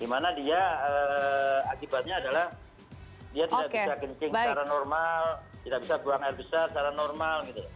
dimana dia akibatnya adalah dia tidak bisa kencing secara normal tidak bisa buang air besar secara normal